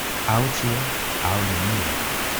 Aŭ ĉio, aŭ nenio.